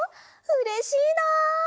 うれしいな！